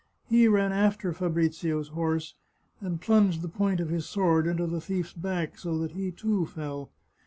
He ran after Fabrizio's horse, and plunged the point of his sword into the thief's back, so that he, too, fell.